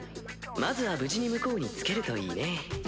まずは無事に向こうに着けるといいね